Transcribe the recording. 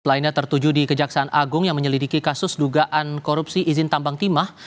lainnya tertuju di kejaksaan agung yang menyelidiki kasus dugaan korupsi izin tambang timah